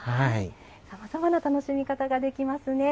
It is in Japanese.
さまざまな楽しみ方ができますね。